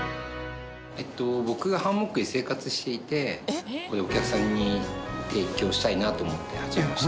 僕がハンモックで生活していてお客さんに提供したいなと思って始めました。